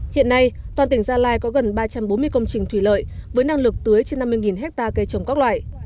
hiện nay toàn tỉnh gia lai có gần ba trăm bốn mươi công trình thủy lợi với năng lực tưới trên năm mươi hectare cây trồng các loại